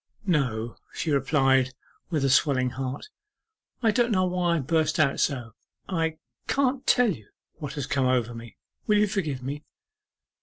'No,' she replied, with a swelling heart; 'I don't know why I burst out so I can't tell what has come over me! Will you forgive me?